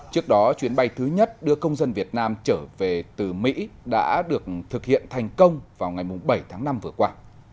trước đó chuyến bay thứ nhất đưa công dân việt nam trở về từ mỹ đã được thực hiện thành công vào ngày bảy tháng năm vừa qua